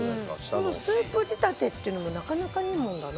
このスープ仕立てっていうのもなかなかいいものだな。